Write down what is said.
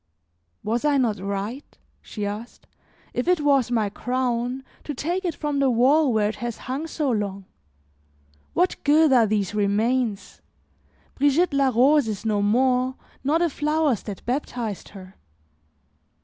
"Was I not right," she asked, "if it was my crown, to take it from the wall where it has hung so long? What good are these remains? Brigitte la Rose is no more, nor the flowers that baptized her."